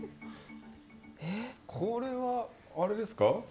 これは、あれですか。